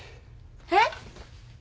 えっ？